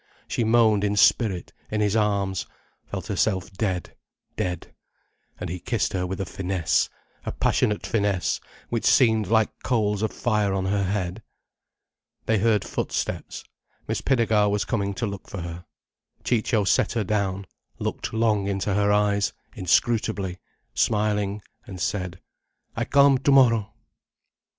She moaned in spirit, in his arms, felt herself dead, dead. And he kissed her with a finesse, a passionate finesse which seemed like coals of fire on her head. They heard footsteps. Miss Pinnegar was coming to look for her. Ciccio set her down, looked long into her eyes, inscrutably, smiling, and said: "I come tomorrow."